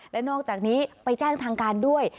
และนอกจากนี้ไปแจ้งทางการด้วย